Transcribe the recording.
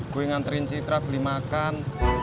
gue nganterin citra beli makan